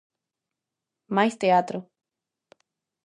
Máis teatro.